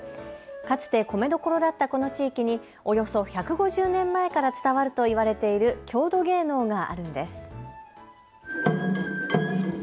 かつて米どころだったこの地域におよそ１５０年前から伝わると言われている郷土芸能があるんです。